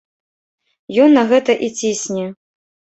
Ён на гэта і цісне.